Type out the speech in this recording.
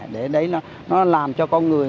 để đấy nó làm cho con người